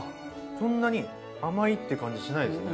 そんなに甘いって感じしないですね。